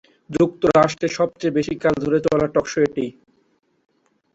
যুক্তরাষ্ট্রে সবচেয়ে বেশি কাল ধরে চলা টক-শো এটি।